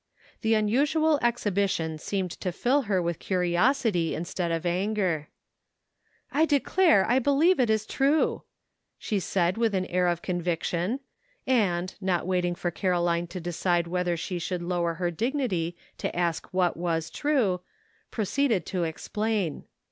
The unusual ex hibition seemed to fill her with curiosity instead of anger. " I declare, T believe it is true," she said, with an air of conviction, and, not waiting for Caro line to decide whether she should lower her dignity to ask what was true, proceeded to explain.